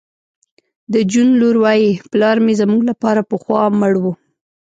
د جون لور وایی پلار مې زموږ لپاره پخوا مړ و